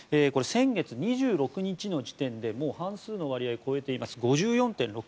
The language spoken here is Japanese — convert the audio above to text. これは先月２６日の時点でもう半数の割合を超えています。